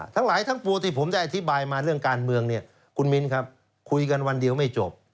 ทั้งหลายทั้งปวงที่ผมได้อธิบายมาเรื่องการเมืองเนี่ยคุณมิ้นครับคุยกันวันเดียวไม่จบ